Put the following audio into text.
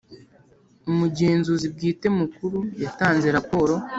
Umugenzuzi Bwite Mukuru yatanze raporo